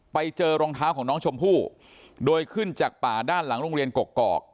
ไปเจอรองเท้าของน้องชมพู่โดยขึ้นจากป่าด้านหลังโรงเรียนกกอก